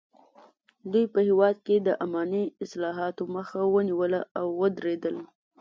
دوی په هېواد کې د اماني اصلاحاتو مخه ونیوله او ودریدل.